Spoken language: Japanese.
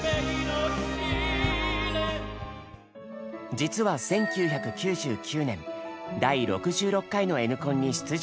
実は１９９９年第６６回の「Ｎコン」に出場した経験が。